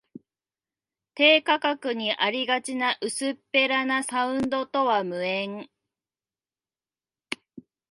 低価格にありがちな薄っぺらなサウンドとは無縁